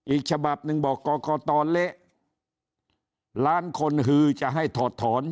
อีกฉบับหนึ่งบอกกรกตเละล้านคนฮือจะให้ถอดถอน